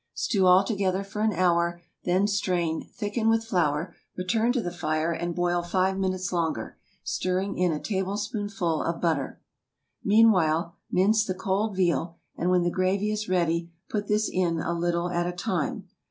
Stew all together for an hour, then strain, thicken with flour, return to the fire, and boil five minutes longer, stirring in a tablespoonful of butter. Meanwhile, mince the cold veal, and when the gravy is ready put this in a little at a time.